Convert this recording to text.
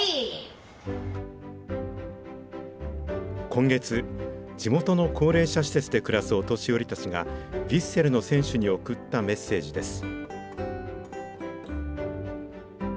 今月、地元の高齢者施設で暮らすお年寄りたちが、ヴィッセルの選手に送ったメッセージです。